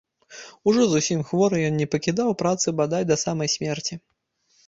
Ужо зусім хворы, ён не пакідаў працы бадай да самай смерці.